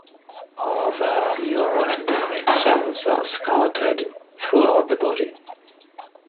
Other neuroendocrine cells are scattered throughout the body.